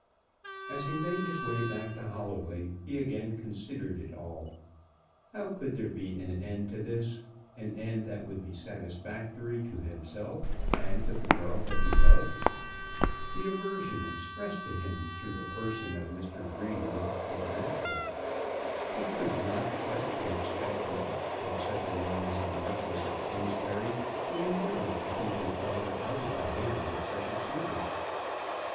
As he made his way back to Holloway he again considered it all. How could there be an end to this, an end that would be satisfactory to himself and to the girl that he loved? The aversion expressed to him through the person of Mr. Greenwood was natural. It could not but be expected that such a one as the Marquis of Kingsbury should endeavour to keep his daughter out of the hands of such a suitor.